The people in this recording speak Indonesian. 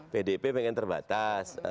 pdp pengen terbatas